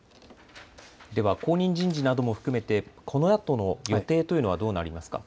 後任人事なども含めてこのあとの予定というのはどうなりますか。